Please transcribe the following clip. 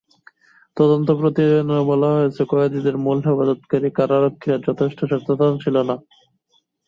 তদন্ত প্রতিবেদনে বলা হয়েছে, কয়েদিদের মূল হেফাজতকারী কারারক্ষীরা যথেষ্ট সচেষ্ট ছিলেন না।